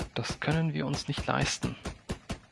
Das können wir uns nicht leisten.